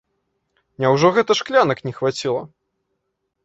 Няўжо гэта шклянак не хваціла?